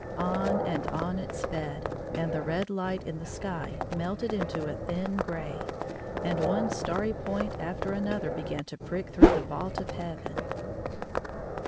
On and on it sped, and the red light in the sky melted into a thin gray, and one starry point after another began to prick through the vault of heaven.